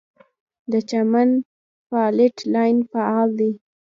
د چمن فالټ لاین فعال دی